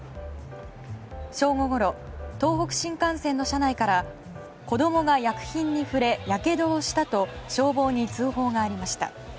正午ごろ、東北新幹線の車内から子供が薬品に触れやけどをしたと消防に通報がありました。